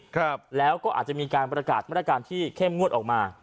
ครับแล้วก็อาจจะมีการประกาศมาตรการที่เข้มงวดออกมา